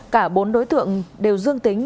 cả bốn đối tượng đều dương tính